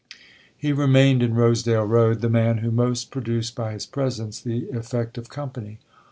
He remained in Rosedale Road the man who most produced by his presence the effect of company.